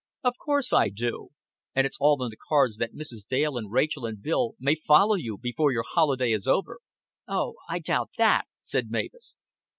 "Of course I do. And it's all on the cards that Mrs. Dale and Rachel and Bill may follow you before your holiday is over." "Oh, I doubt that," said Mavis.